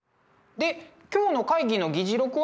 で今日の会議の議事録は？